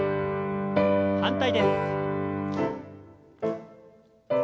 反対です。